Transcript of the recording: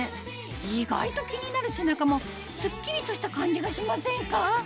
意外と気になる背中もスッキリとした感じがしませんか？